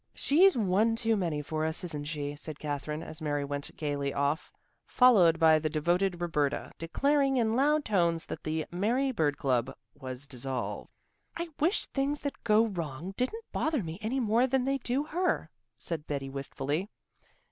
"She's one too many for us, isn't she?" said Katherine, as Mary went gaily off, followed by the devoted Roberta, declaring in loud tones that the Mary bird club was dissolved. "I wish things that go wrong didn't bother me any more than they do her," said Betty wistfully.